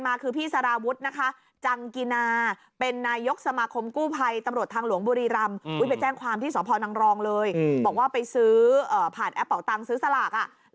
ซื้อผ่านแอปเป่าตังซื้อสลาก